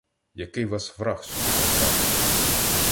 Який вас враг сюди направив?